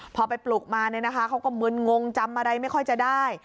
พอไปปลุกมาเนี่ยนะคะเขาก็มึนงงจำอะไรไม่ค่อยจะได้